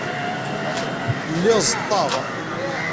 Lliɣ ẓeḍḍeɣ.